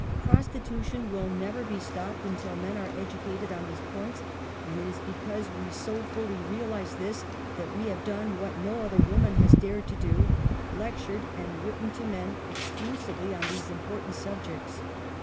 Prostitution will never be stopped until men are educated on these points, and it is because we so fully realize this that we have done what no other woman has dared to do, lectured and written to men vexclusively on these important subjects.